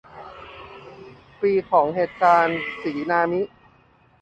ปีของเหตุการณ์สีนามิ